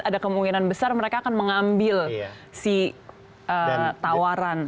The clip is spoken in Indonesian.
ada kemungkinan besar mereka akan mengambil si tawaran